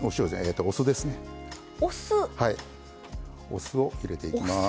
お酢を入れていきます。